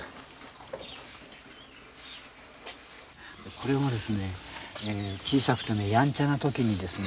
これはですね小さくてやんちゃなときにですね